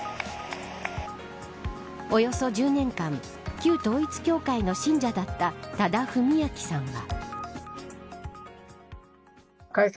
およそ１０年間旧統一教会の信者だった多田文明さんは。